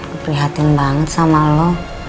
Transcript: gue perhatian banget sama lo